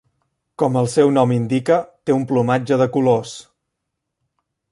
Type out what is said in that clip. Com el seu nom indica, té un plomatge de colors.